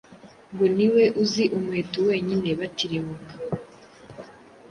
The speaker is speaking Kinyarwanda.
ngo ni we uzi umuheto wenyine, batirimuka,